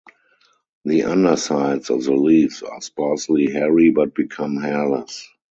The undersides of the leaves are sparsely hairy but become hairless.